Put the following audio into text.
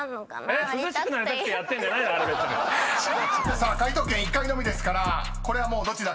［さあ解答権１回のみですからこれはもうどちらか］